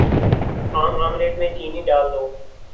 عام آملیٹ میں چینی ڈال دو